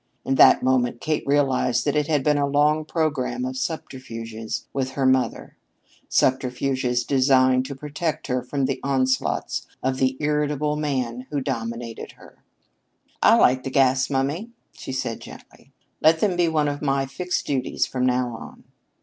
In that moment Kate realized that it had been a long programme of subterfuges with her mother subterfuges designed to protect her from the onslaughts of the irritable man who dominated her. "I'll light the gas, mummy," she said gently. "Let that be one of my fixed duties from now on."